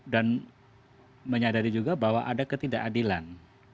dan menyadari juga bahwa ada ketidakadilan